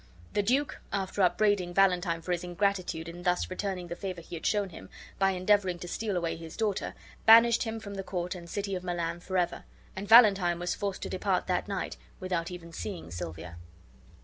The duke, after upbraiding Valentine for his ingratitude in thus returning the favor he had shown him, by endeavoring to steal away his daughter, banished him from the court and city of Milan forever, and Valentine was forced to depart that night without even seeing Silvia.